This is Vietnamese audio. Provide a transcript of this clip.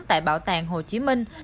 tại bảo tàng hồ chí minh